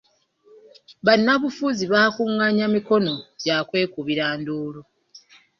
Bannabyabufuzi bakungaanya mikono gya kwekubira nduulu.